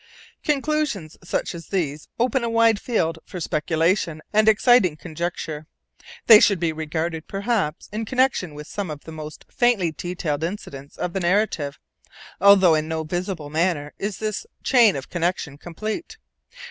Conclusions such as these open a wide field for speculation and exciting conjecture. They should be regarded, perhaps, in connection with some of the most faintly detailed incidents of the narrative; although in no visible manner is this chain of connection complete.